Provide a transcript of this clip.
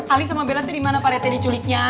ali sama bella tuh dimana pak rt diculiknya